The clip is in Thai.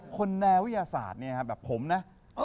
คนแนววิทยาศาสตร์แบบผมนะ